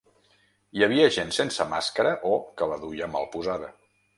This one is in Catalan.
Hi havia gent sense màscara o que la duia mal posada.